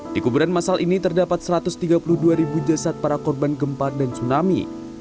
di kuburan masal ini terdapat satu ratus tiga puluh dua jasad para korban gempa dan tsunami